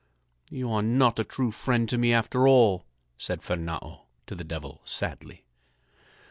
"You are not a true friend to me after all," said Fernâo to the Devil sadly.